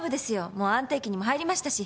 もう安定期にも入りましたし。